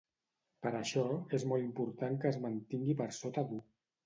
Per això, és molt important que es mantingui per sota d’u.